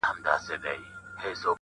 داود خان او بريژنيف تر منځ